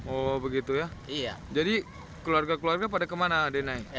oh begitu ya jadi keluarga keluarga pada kemana ade naik